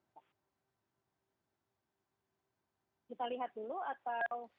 kita lihat dulu atau